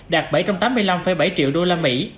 đạt bảy trăm tám mươi năm bảy triệu đô la mỹ